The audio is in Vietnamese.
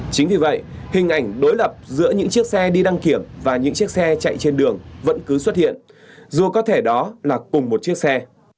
chính vì vậy hình ảnh đối lập giữa những chiếc xe đi đăng kiểm và những chiếc xe chạy trên đường vẫn cứ xuất hiện dù có thể đó là cùng một chiếc xe